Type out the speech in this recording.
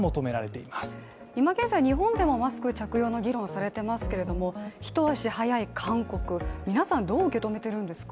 いま現在日本でもマスク着用の議論されていますけれども一足早い韓国、皆さんどう受け止めているんですか？